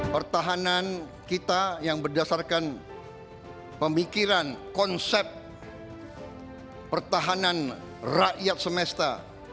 pertahanan kita yang berdasarkan pemikiran konsep pertahanan rakyat semesta